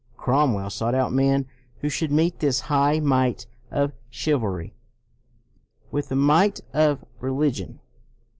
Crom well sought out men who should meet this might of chivalry w r ith the might of religion.